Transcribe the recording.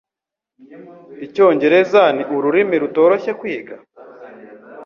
Icyongereza ni ururimi rutoroshye kwiga?